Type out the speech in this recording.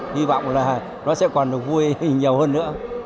hy vọng là nó sẽ còn được vui khi nhiều hơn nữa